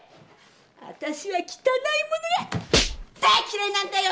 私は汚いものが大嫌いなんだよ！